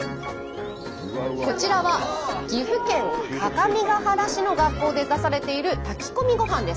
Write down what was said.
こちらは岐阜県各務原市の学校で出されている炊き込みごはんです。